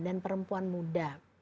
dan perempuan muda